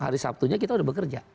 hari sabtunya kita sudah bekerja